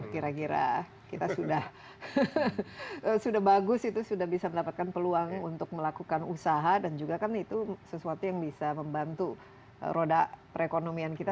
kira kira kita sudah bagus itu sudah bisa mendapatkan peluang untuk melakukan usaha dan juga kan itu sesuatu yang bisa membantu roda perekonomian kita